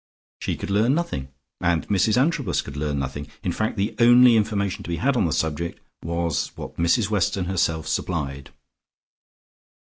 She could learn nothing, and Mrs Antrobus could learn nothing, in fact the only information to be had on the subject was what Mrs Weston herself supplied.